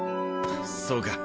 そうか。